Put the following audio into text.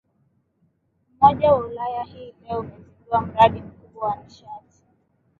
umoja wa wilaya hii leo umezidua mradi mkubwa wa nishati